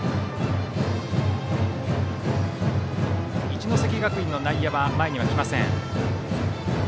一関学院の内野は前には来ません。